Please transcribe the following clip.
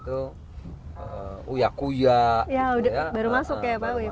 baru masuk ya pak